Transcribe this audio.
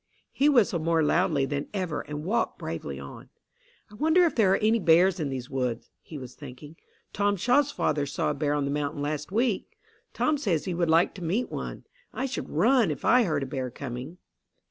He whistled more loudly than ever and walked bravely on. "I wonder if there are any bears in these woods," he was thinking. "Tom Shaw's father saw a bear on the mountain last week. Tom says he would like to meet one. I should run if I heard a bear coming."